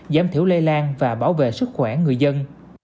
giảm thiểu lây lan và bảo vệ sức khỏe người dân